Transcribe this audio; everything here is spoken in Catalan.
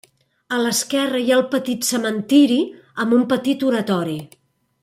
A l'esquerra hi ha el petit cementeri, amb un petit oratori.